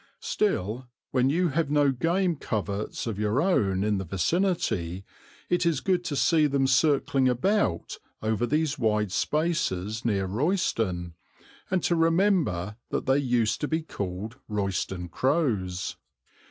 Still, when you have no game coverts of your own in the vicinity, it is good to see them circling about over these wide spaces near Royston, and to remember that they used to be called Royston crows.